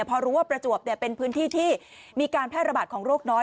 พอรู้ว่าประจวบเป็นพื้นที่ที่มีการแพร่ระบาดของโรคน้อย